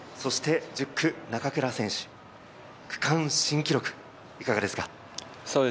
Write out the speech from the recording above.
１０区・中倉選手、区間新記録いかがですか？